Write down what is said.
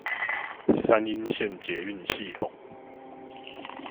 三鶯線捷運系統